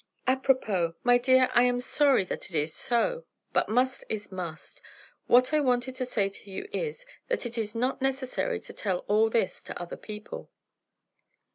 "Apropos; My dear, I am sorry that it is so, but must is must. What I wanted to say to you is, that it is not necessary to tell all this to other people."